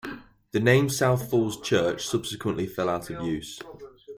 The name South Falls Church subsequently fell out of use.